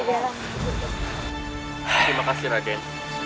terima kasih raden